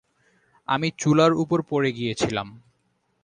আমি চুলার উপর পড়ে গিয়েছিলাম।